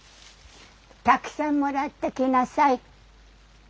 たくさんもらってきなさい。